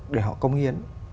để họ công hiến